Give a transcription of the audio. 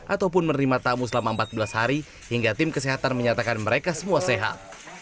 ataupun menerima tamu selama empat belas hari hingga tim kesehatan menyatakan mereka semua sehat